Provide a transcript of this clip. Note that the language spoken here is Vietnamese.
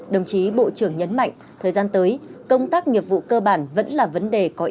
đồng chí bộ trưởng nhấn mạnh thời gian tới công tác nghiệp vụ cơ bản